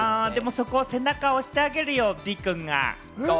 そこの背中を押してあげるよ、デイくんが！